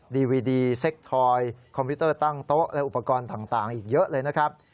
ดีวีดีเซ็กทอยคอมพิวเตอร์ตั้งโต๊ะและอุปกรณ์ต่างอีกเยอะเลยนะครับ